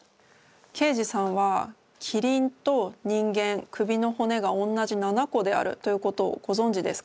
刑事さんは「キリンと人間首の骨がおんなじ７個である」ということをごぞんじですか？